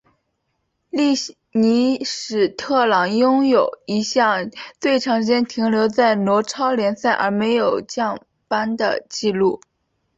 利尼史特朗拥有一项最长时间停留于挪超联赛而没有降班的纪录。